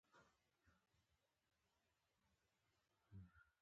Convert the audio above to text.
که لاړ شم.